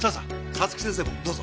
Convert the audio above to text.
早月先生もどうぞ。